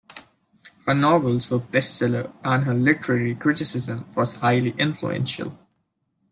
Her novels were bestsellers and her literary criticism was highly influential.